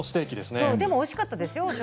でも、おいしかったですよ。